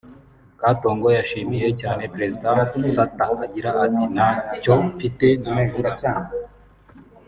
Katongo yashimiye cyane Perezida Sata agira ati “ Nta cyo mfite navuga